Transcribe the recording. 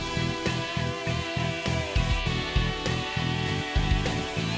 pasang tautan ga bisa arah arah